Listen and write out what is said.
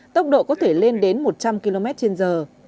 tốc độ có thể lên đến một trăm linh km trên giờ